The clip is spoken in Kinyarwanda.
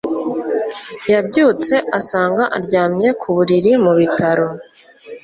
yabyutse asanga aryamye ku buriri mu bitaro